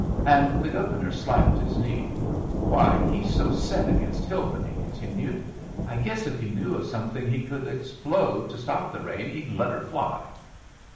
And the Governor slapped his knee. "Why, he's so set against Hilbrun," he continued, "I guess if he knew of something he could explode to stop rain he'd let her fly!"